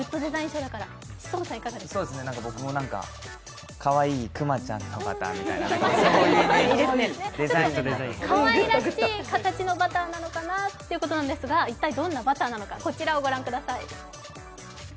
僕もかわいい熊ちゃんのバターみたいなかわいらしい形のバターなのかなということですが、一体どんなバターなのかこちらをご覧ください。